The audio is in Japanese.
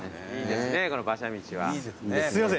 すいません